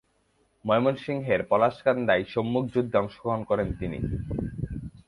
ময়মনসিংহের পলাশকান্দায় সম্মুখ যুদ্ধে অংশগ্রহণ করেন তিনি।